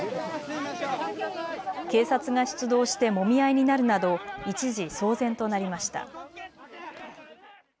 警察が出動してもみ合いになるなど一時、騒然となりました。